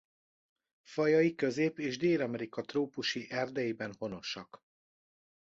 Fajai Közép- és Dél-Amerika trópusi erdeiben honosak.